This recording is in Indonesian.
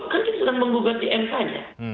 kan kita sedang menggugat di mk nya